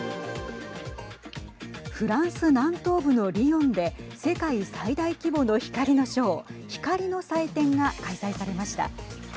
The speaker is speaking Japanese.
フランス南東部のリヨンで世界最大規模の光のショー光の祭典が開催されました。